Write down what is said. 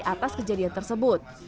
atas kejadian tersebut